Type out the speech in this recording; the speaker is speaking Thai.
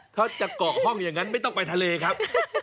ถ้าจะเกาะห้องอย่างนั้นไม่ต้องไปทะเลครับ